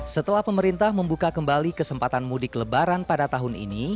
setelah pemerintah membuka kembali kesempatan mudik lebaran pada tahun ini